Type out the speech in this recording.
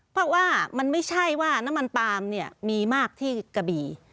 เพราะว่ามันไม่ใช่ว่าน้ำมันปาล์มเนี่ยมีมากที่กระบี่